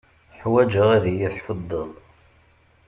Ḥwajeɣ ad iyi-tḥuddeḍ.